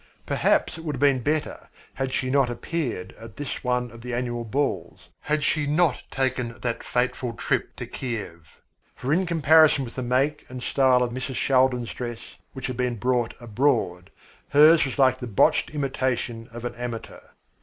Perhaps it would have been better had she not appeared at this one of the annual balls, had she not taken that fateful trip to Kiev. For in comparison with the make and style of Mrs. Shaldin's dress, which had been brought abroad, hers was like the botched imitation of an amateur.